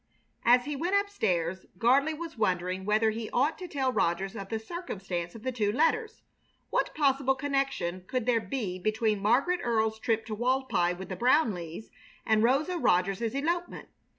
As he went up stairs Gardley was wondering whether he ought to tell Rogers of the circumstance of the two letters. What possible connection could there be between Margaret Earle's trip to Walpi with the Brownleighs and Rosa Rogers's elopement?